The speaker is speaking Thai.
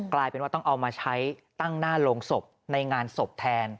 กลายเป็นว่าต้องเอามาใช้ตั้งหน้าโรงศพในงานศพแทน